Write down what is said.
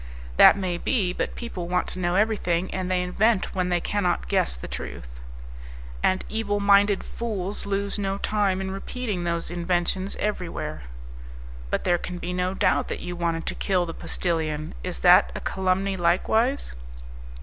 "That may be; but people want to know everything, and they invent when they cannot guess the truth." "And evil minded fools lose no time in repeating those inventions everywhere." "But there can be no doubt that you wanted to kill the postillion. Is that a calumny likewise?"